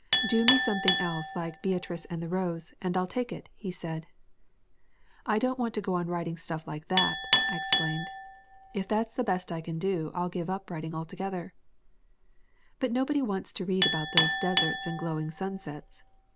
' 'Do me something else like Beatrice and the Rose and I'll take it/ he said. " 'I don't want to go on writing stuff like that/ I explained. 'If that's the best I can do I'll give up writing altogether/ " 'But nobody wants to read about those deserts and glowing sunsets.